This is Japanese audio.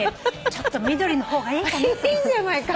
ちょっと緑の方がいいかな？